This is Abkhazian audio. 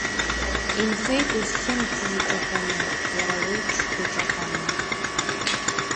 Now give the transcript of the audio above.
Инхеит узхьымӡаз ҿаҳәаны, уара уеиԥш иҿаҳаны.